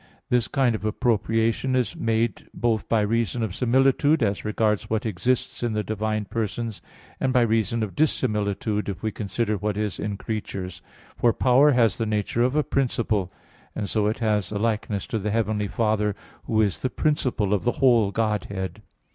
This kind of appropriation is made both by reason of similitude as regards what exists in the divine persons, and by reason of dissimilitude if we consider what is in creatures. For "power" has the nature of a principle, and so it has a likeness to the heavenly Father, Who is the principle of the whole Godhead.